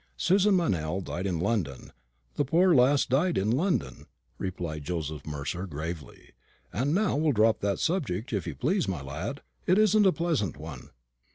"Susan Meynell died in London the poor lass died in London," replied Joseph Mercer, gravely; "and now we'll drop that subject, if you please, my lad. It isn't a pleasant one."